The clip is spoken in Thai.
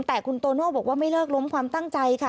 แต่คุณโตโน่บอกว่าไม่เลิกล้มความตั้งใจค่ะ